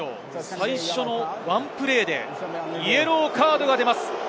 最初のワンプレーでイエローカードが出ます。